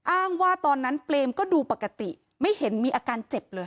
อ้างว่าตอนนั้นเปรมก็ดูปกติไม่เห็นมีอาการเจ็บเลย